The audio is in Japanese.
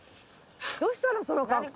どうしたのその恰好。